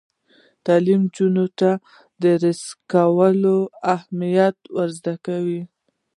تعلیم نجونو ته د ریسایکل کولو اهمیت ور زده کوي.